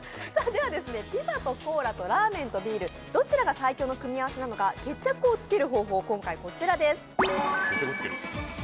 ピザとコーラと、ラーメンとビール、どちらが最強の組み合わせなのか決着をつける方法はこちらです。